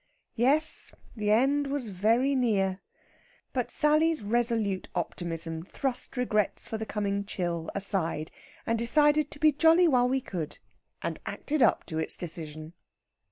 Yes, the end was very near. But Sally's resolute optimism thrust regrets for the coming chill aside, and decided to be jolly while we could, and acted up to its decision.